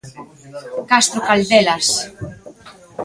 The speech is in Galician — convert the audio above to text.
Castro Caldelas.